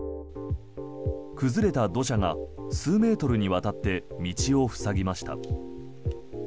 崩れた土砂が数メートルにわたって道を塞ぎました。